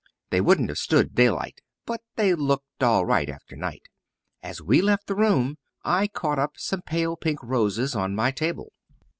They wouldn't have stood daylight, but they looked all right after night. As we left the room I caught up some pale pink roses on my table.